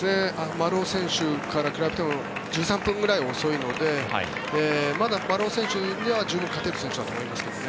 丸尾選手から比べても１３分ぐらい遅いのでまだ丸尾選手には十分勝てる選手だと思いますね。